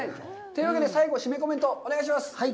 というわけで最後シメコメントをお願いします。